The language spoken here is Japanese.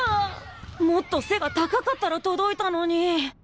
もっと背が高かったら届いたのに。